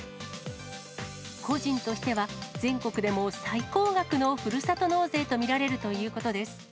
個人としては全国でも最高額のふるさと納税と見られるということです。